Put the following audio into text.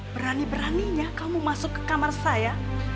berani beraninya kamu masuk ke kamar saya